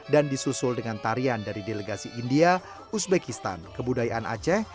dan disusul dengan tarian dari delegasi india uzbekistan kebudayaan aceh